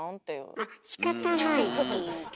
あっしかたないっていう感覚かあ。